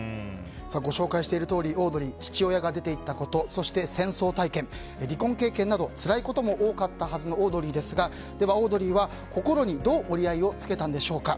ご紹介しているとおりオードリー父親が出て行ったことそして戦争体験、離婚経験などつらいことも多かったはずのオードリーですがでは、オードリーは心に、どう折り合いをつけたんでしょうか。